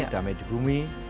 damai di bumi